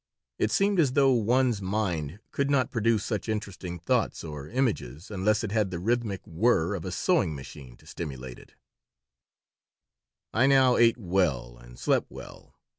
It seemed as though one's mind could not produce such interesting thoughts or images unless it had the rhythmic whir of a sewing machine to stimulate it I now ate well and slept well.